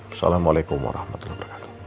assalamualaikum warahmatullahi wabarakatuh